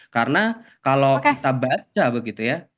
karena kalau kita baca begitu ya